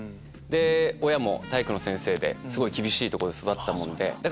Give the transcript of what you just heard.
で親も体育の先生ですごい厳しいとこで育ったもんで。